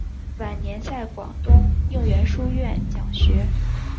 晚年在广东应元书院讲学。